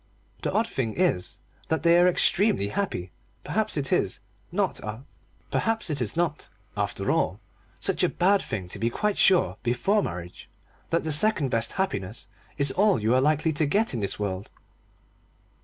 The odd thing is that they are extremely happy. Perhaps it is not, after all, such a bad thing to be quite sure, before marriage, that the second best happiness is all you are likely to get in this world.